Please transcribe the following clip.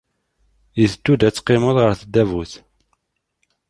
I teddud ad teqqimeḍ ɣer tdabut?